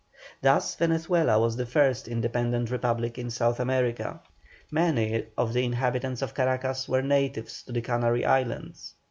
Thus Venezuela was the first independent republic in South America. Many of the inhabitants of Caracas were natives of the Canary Islands.